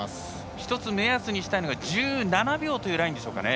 １つ目安にしたいのが１７秒というラインでしょうか。